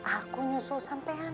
aku nyusul sampean